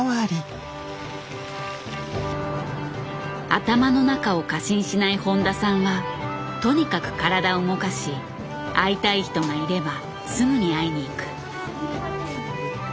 頭の中を過信しない誉田さんはとにかく体を動かし会いたい人がいればすぐに会いに行く。